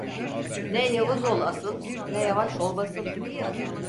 Ne yavuz ol asıl, ne yavaş ol basıl.